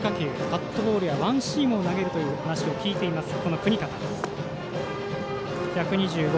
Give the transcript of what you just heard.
カットボールやワンシームを投げるという話を聞いています國方。